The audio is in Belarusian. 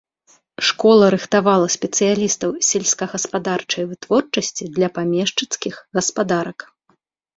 Школа рыхтавала спецыялістаў сельскагаспадарчай вытворчасці для памешчыцкіх гаспадарак.